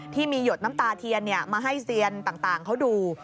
ที่มีหยดน้ำตาเทียนมาให้เซียนต่างเขาดู